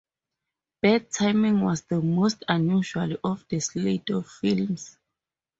"Bad Timing" was the most unusual of the slate of films.